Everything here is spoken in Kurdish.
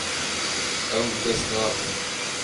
Ew bi dest naxin.